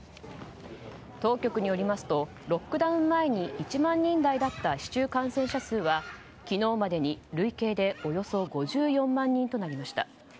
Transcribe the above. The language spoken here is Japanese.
当局によりますとロックダウン前に１万人台だった市中感染者数は昨日までに累計でおよそ５４万人となりました。